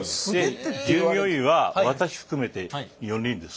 従業員は私含めて４人です。